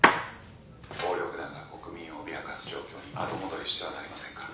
「暴力団が国民を脅かす状況に後戻りしてはなりませんから」